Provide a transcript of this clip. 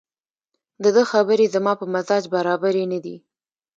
دده خبرې زما په مزاج برابرې نه دي